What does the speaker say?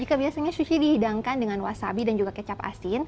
jika biasanya sushi dihidangkan dengan wasabi dan juga kecap asin